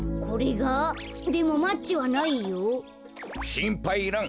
しんぱいいらん。